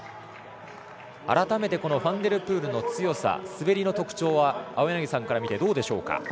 改めてファンデルプールの強さ滑りの特徴は青柳さんから見てどうでしょうか。